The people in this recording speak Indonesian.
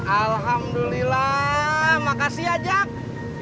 alhamdulillah makasih ya jack